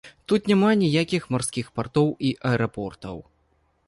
Тут няма ніякіх марскіх партоў і аэрапортаў.